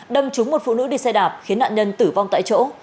đâm trúng một phụ nữ đi xe đạp khiến nạn nhân tử vong tại chỗ